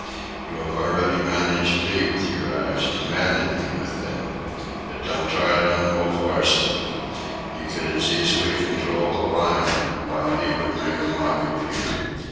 You have already managed me with your eyes, commanded me with them. But don't try it on Wolf Larsen. You could as easily control a lion, while he would make a mock of you.